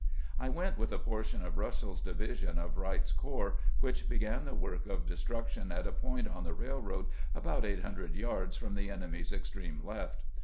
I went with a portion of Eussell's division of Wright's corps, which began the work of destruction at a point on the railroad about eight hundred yards from the enemy's extreme left.